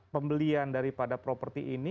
pembelian daripada properti ini